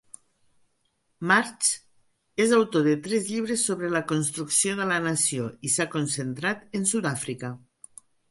Marx és autor de tres llibres sobre la construcció de la nació i s'ha concentrat en Sudàfrica.